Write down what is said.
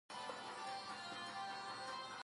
د ریګ دښتې د افغانستان د جغرافیې بېلګه ده.